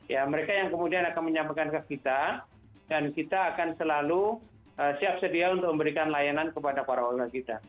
ya mereka yang kemudian akan menyampaikan ke kita dan kita akan selalu siap sedia untuk memberikan layanan kepada para owner kita